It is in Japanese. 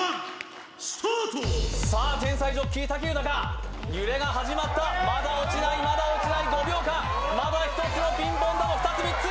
さあ天才ジョッキー武豊揺れが始まったまだ落ちないまだ落ちない５秒間まだ１つのピンポン球２つ３つ